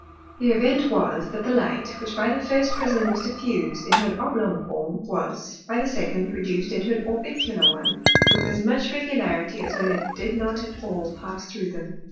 The Event was, that the Light, which by the first Prism was diffused into an oblong Form, was, by the second, reduc'd into an orbicular one, with as much regularity, as when it did not at all pass through them.